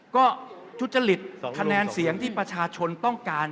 ก็ทุจริตคะแนนเสียงที่ประชาชนต้องการ